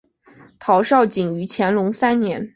陶绍景于乾隆三年。